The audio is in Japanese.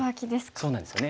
そうなんですよね。